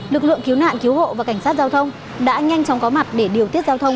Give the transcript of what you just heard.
lực lượng cứu nạn cứu hộ và cảnh sát giao thông đã nhanh chóng có mặt để điều tiết giao thông